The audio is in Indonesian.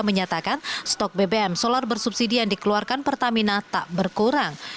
menyatakan stok bbm solar bersubsidi yang dikeluarkan pertamina tak berkurang